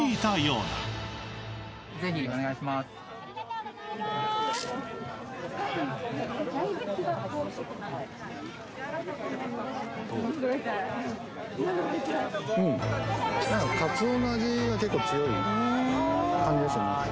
うんかつおの味が結構強い感じですよね